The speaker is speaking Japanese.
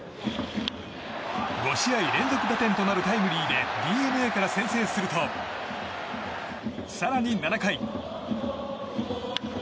５試合連続打点となるタイムリーでＤｅＮＡから先制すると更に７回。